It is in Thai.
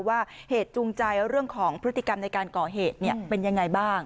เหตุจูงใจเรื่องของพฤติกรรมในการก่อเหตุเป็นยังไงบ้าง